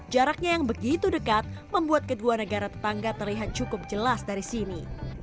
jaraknya yang begitu dekat membuat kedua negara tetangga terlihat cukup jelas dari sini